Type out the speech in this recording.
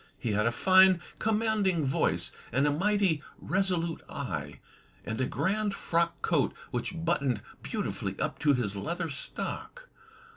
He had a fine, commanding voice, and a mighty resolute eye, and a grand frock coat which buttoned beautifully up to his leather stock.